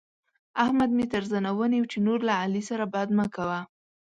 احمد مې تر زنه ونيو چې نور له علي سره بد مه کوه.